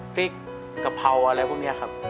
พริกกะเพราอะไรพวกนี้ครับ